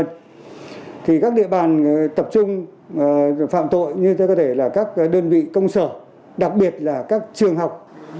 các địa bàn tập trung phạm tội như các đơn vị công sở đặc biệt là các trường học